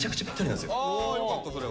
あよかったそれは。